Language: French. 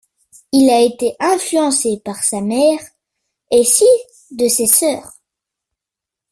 Il a été influencé par sa mère et six de ses sœurs.